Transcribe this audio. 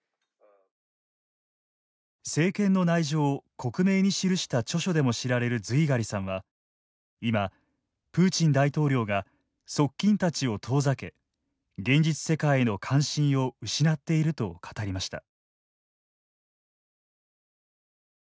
政権の内情を克明に記した著書でも知られるズィーガリさんは今、プーチン大統領が側近たちを遠ざけ現実世界への関心を失っていると語りました。